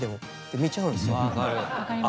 見ちゃうんですよ。